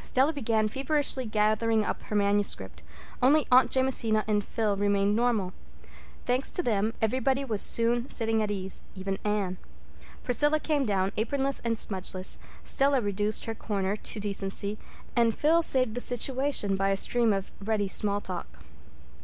Stella began feverishly gathering up her manuscript. Only Aunt Jamesina and Phil remained normal. Thanks to them, everybody was soon sitting at ease, even Anne. Priscilla came down, apronless and smudgeless, Stella reduced her corner to decency, and Phil saved the situation by a stream of ready small talk.